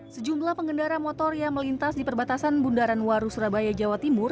sejumlah pengendara motor yang melintas di perbatasan bundaran waru surabaya jawa timur